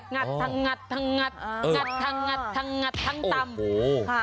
งัดทั้งงัดทั้งงัดทั้งต่ำ